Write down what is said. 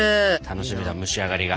楽しみだ蒸し上がりが。